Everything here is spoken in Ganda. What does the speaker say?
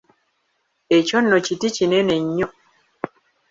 Ekyo nno kiti kinene nnyo.